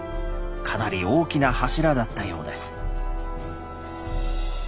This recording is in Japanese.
かなり大きな柱だったようです。